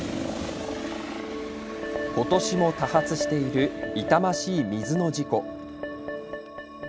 ことしも多発している痛ましい水の事故。